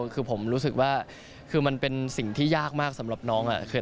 คือผมรู้สึกว่าคือมันเป็นสิ่งที่ยากมากสำหรับน้อง